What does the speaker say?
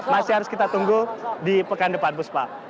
masih harus kita tunggu di pekan depan bu spa